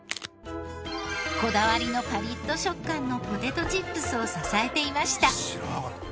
こだわりのパリッと食感のポテトチップスを支えていました。